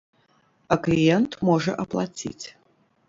А кліент можа аплаціць.